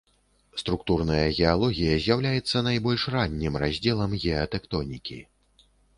Структурная геалогія з'яўляецца найбольш раннім раздзелам геатэктонікі.